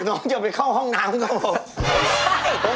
เนอะอย่าไปเข้าห้องน้ำครับผม